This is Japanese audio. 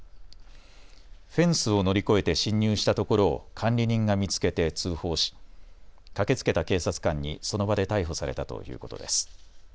フェンスを乗り越えて侵入したところを管理人が見つけて通報し駆けつけた警察官にその場で逮捕されたということです。